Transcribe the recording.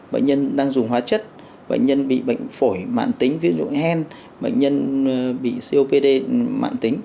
bệnh nhân đang dùng hóa chất bệnh nhân bị bệnh phổi mạng tính ví dụ hèn bệnh nhân bị copd mạng tính